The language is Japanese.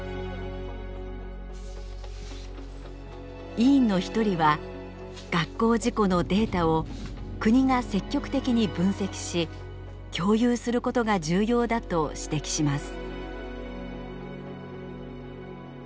委員の一人は学校事故のデータを国が積極的に分析し共有することが重要だと指摘します。